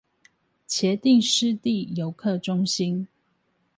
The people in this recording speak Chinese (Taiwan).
茄萣濕地遊客中心